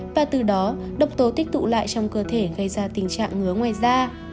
và từ đó độc tố tích tụ lại trong cơ thể gây ra tình trạng ngứa ngoài da